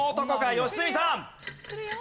良純さん！